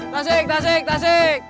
tasik tasik tasik